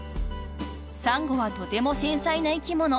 ［サンゴはとても繊細な生き物］